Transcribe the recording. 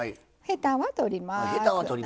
ヘタは取りますか。